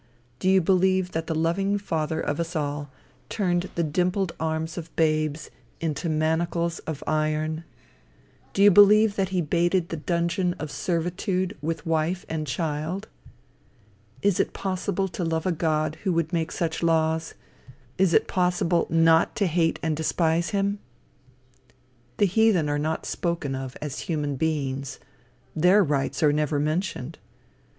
Do you believe that the loving father of us all, turned the dimpled arms of babes into manacles of iron? Do you believe that he baited the dungeon of servitude with wife and child? Is it possible to love a God who would make such laws? Is it possible not to hate and despise him? The heathen are not spoken of as human beings. Their rights are never mentioned.